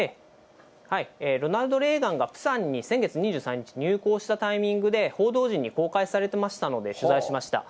ロナルド・レーガンがプサンに先月２３日に入港したタイミングで、報道陣に公開されてましたので、取材しました。